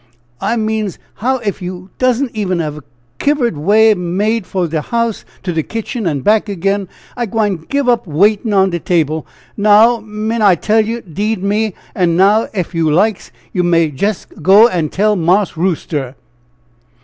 "I means how ef yer doesn't have a kivered way made from de house to de kitchen an' back ag'in, I gwine give up waitin' on de table, now min' I tell yer, 'deed me! an' now ef you likes, yer may jes' go an' tell Marse Rooster."